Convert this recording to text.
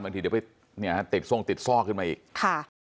บางทีเดี๋ยวไปติดทรงติดซ่อขึ้นมาอีก